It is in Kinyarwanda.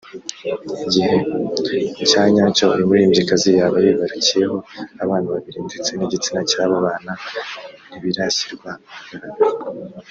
Igihe cya nyacyo uyu muririmbyikazi yaba yibarukiyeho abana babiri ndetse n’igitsina cy’abo bana ntibirashyirwa ahagaragara